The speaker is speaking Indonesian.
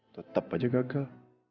tetep aja gagal